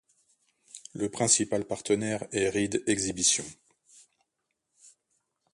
Le principal partenaire est Reed Exhibitions.